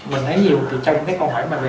mình thấy nhiều trong những cái câu hỏi về